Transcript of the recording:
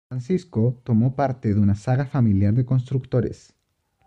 Francisco formó parte de una saga familiar de constructores.